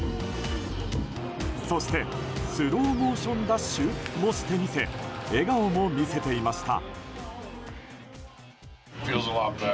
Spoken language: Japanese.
そしてスローモーションダッシュもしてみせ笑顔も見せていました。